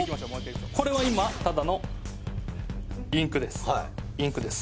これは今ただのインクです